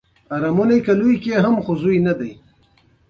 اوس پانګوال راځي او د لازم کار وخت راکموي